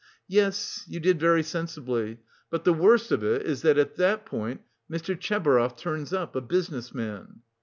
"Yes, you did very sensibly. But the worst of it is that at that point Mr. Tchebarov turns up, a business man.